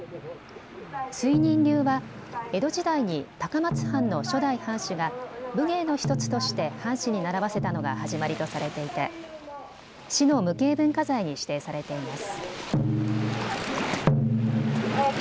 水任流は江戸時代に高松藩の初代藩主が武芸の１つとして藩士に習わせたのが始まりとされていて市の無形文化財に指定されています。